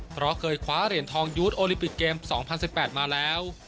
เพราะเคยคว้าเหรียญทองยูทโอลิปิกเกม๒๐๑๘มาแล้ว